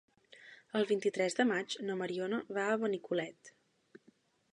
El vint-i-tres de maig na Mariona va a Benicolet.